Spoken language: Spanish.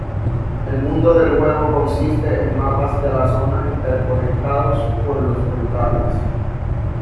El mundo del juego consiste en mapas de la zona interconectados por los portales.